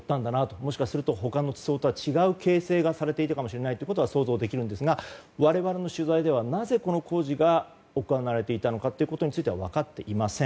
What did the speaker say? もしかしたら他の地層とは違う形成がされていたかもしれないということは想像できるんですが我々の取材ではなぜこの工事が行われていたのかについては分かっていません。